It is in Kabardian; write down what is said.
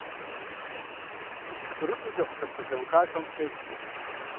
ТӀурытӀу зэгъусэ псалъэухахэм фыкъеджэ.